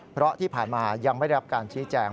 เพราะที่ผ่านมายังไม่ได้รับการชี้แจง